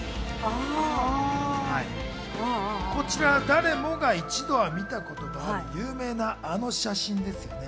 こちら、誰もが一度は見たことがある有名なあの写真ですよね。